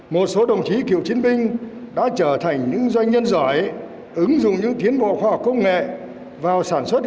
một số đồng chí cựu chiến binh đã trở thành những doanh nhân giỏi ứng dụng những tiến bộ khoa học công nghệ vào sản xuất